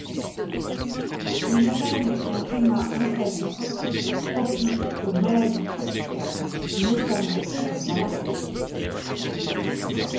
Il y règne un climat insalubre, propice aux maladies tropicales, notamment la malaria.